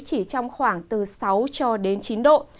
chỉ trong khoảng từ sáu cho đến chín độ